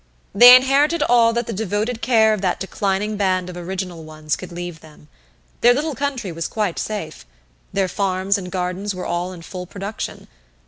They inherited all that the devoted care of that declining band of original ones could leave them. Their little country was quite safe. Their farms and gardens were all in full production.